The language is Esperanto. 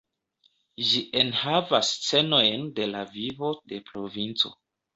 Ĝi enhavas scenojn de la vivo de provinco.